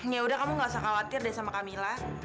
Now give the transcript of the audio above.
yaudah kamu nggak usah khawatir deh sama kamila